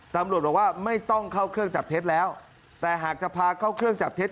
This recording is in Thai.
ตำรวจบอกว่าไม่ต้องเข้าเครื่องจับเท็จแล้วแต่หากจะพาเข้าเครื่องจับเท็จ